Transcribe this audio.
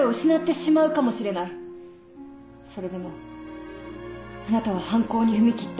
それでもあなたは犯行に踏み切った。